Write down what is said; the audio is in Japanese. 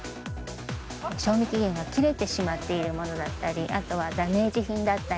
賞味期限が切れてしまっているものだったり、あとはダメージ品だったり。